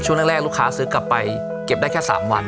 ช่วงแรกลูกค้าซื้อกลับไปเก็บได้แค่๓วัน